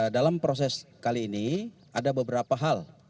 dalam proses kali ini ada beberapa hal